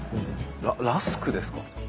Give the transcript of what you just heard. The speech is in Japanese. ララスクですか？